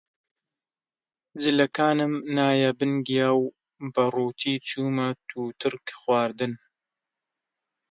جلەکانم نایە بن گیا و بە ڕووتی چوومە تووتڕک خواردن